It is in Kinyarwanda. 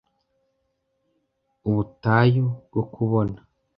Ubutayu bwo kubona.